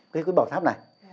cái quý bảo tháp này